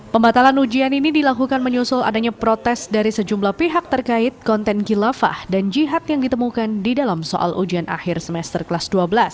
pembatalan ujian ini dilakukan menyusul adanya protes dari sejumlah pihak terkait konten kilafah dan jihad yang ditemukan di dalam soal ujian akhir semester kelas dua belas